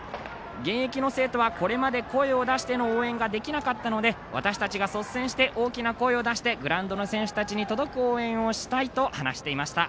現役の生徒はこれまで声を出しての応援ができなかったので私たちが率先して大きな声を出してグラウンドの選手たちに届く応援をしたいと話していました。